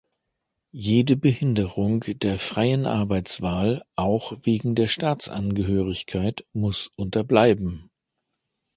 Jede Behinderung der freien Arbeitswahl, auch wegen der Staatsangehörigkeit, muss unterbleiben!